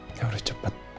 gak harus cepet